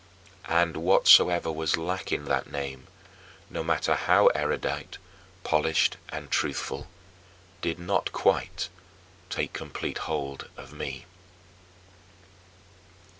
And whatsoever was lacking that name, no matter how erudite, polished, and truthful, did not quite take complete hold of me.